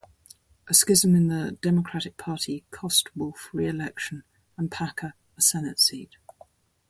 A schism in the Democratic Party cost Wolf re-election and Packer a Senate seat.